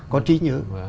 có trí nhớ